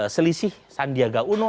selisih sandiaga uno